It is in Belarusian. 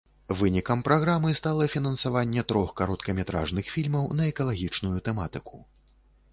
Вынікам праграмы стала фінансаванне трох кароткаметражных фільмаў на экалагічную тэматыку.